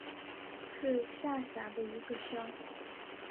是下辖的一个乡。